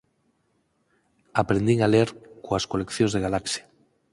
'Aprendín a ler coas coleccións de Galaxia'